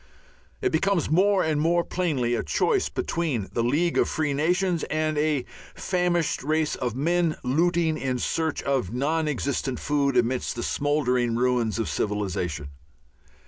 It becomes more and more plainly a choice between the League of Free Nations and a famished race of men looting in search of non existent food amidst the smouldering ruins of civilization.